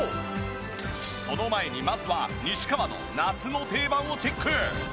その前にまずは西川の夏の定番をチェック。